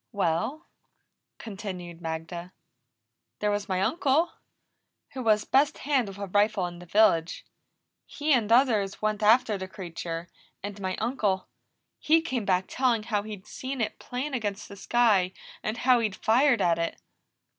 "Well," continued Magda, "there was my uncle, who was best hand with a rifle in the village. He and others went after the creature, and my uncle, he came back telling how he'd seen it plain against the sky, and how he'd fired at it.